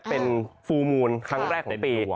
เป็นฟูลมูลครั้งแรกของปี